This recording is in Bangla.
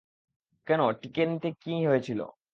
কেন, টিকে নিতে কী হয়েছিল?